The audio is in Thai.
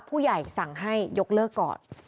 ผู้ใหญ่สั่งให้ยกเลิกก่อน